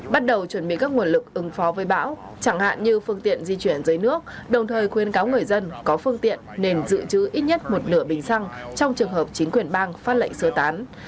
bắt đầu chuẩn bị các nguồn lực ứng phó với bão chẳng hạn như phương tiện di chuyển dưới nước đồng thời khuyên cáo người dân có phương tiện nên dự trữ ít nhất một nửa bình xăng trong trường hợp chính quyền bang phát lệnh sơ tán